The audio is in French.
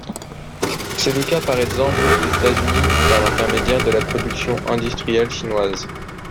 C'est le cas par exemple des États-Unis par l'intermédiaire de la production industrielle chinoise.